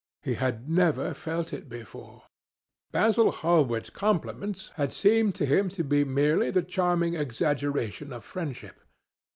He had never felt it before. Basil Hallward's compliments had seemed to him to be merely the charming exaggeration of friendship.